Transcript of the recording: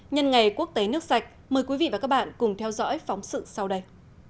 nhân ngày quốc tế nước sạch mời quý vị và các bạn cùng theo dõi phóng sự sau đây